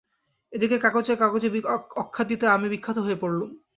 এ দিকে কাগজে কাগজে অখ্যাতিতে আমি বিখ্যাত হয়ে পড়লুম।